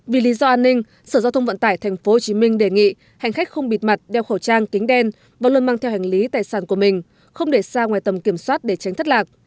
vì lý do an ninh sở giao thông vận tải tp hcm đề nghị hành khách không bịt mặt đeo khẩu trang kính đen và luôn mang theo hành lý tài sản của mình không để xa ngoài tầm kiểm soát để tránh thất lạc